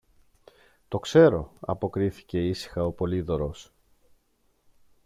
Το ξέρω, αποκρίθηκε ήσυχα ο Πολύδωρος.